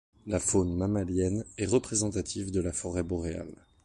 La faune mammalienne est représentative de la forêt boréale.